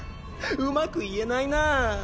うまく言えないなぁ。